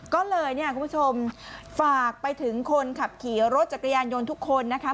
ก็เลยเนี่ยคุณผู้ชมฝากไปถึงคนขับขี่รถจักรยานยนต์ทุกคนนะคะ